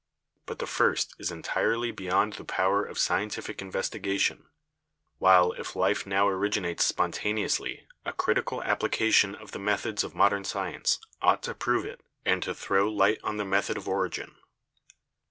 But the first is entirely beyond the power of scientific investigation, while if life now originates spontaneously a critical application of the methods of modern science ought to prove it and to throw light on the method of origin.